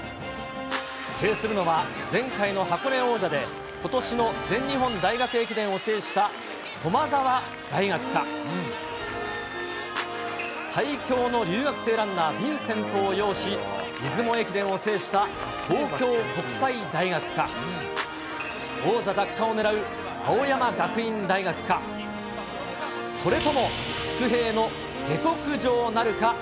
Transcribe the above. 制するのは前回の箱根王者で、ことしの全日本大学駅伝を制した駒澤大学か、最強の留学生ランナー、ヴィンセントを擁し、出雲駅伝を制した東京国際大学か、王座奪還を狙う、青山学院大学か、それとも伏兵の下克上なるか。